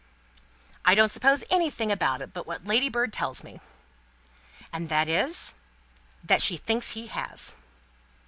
"I don't suppose anything about it but what Ladybird tells me." "And that is ?" "That she thinks he has."